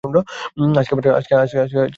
আজকে আমার জন্মদিন।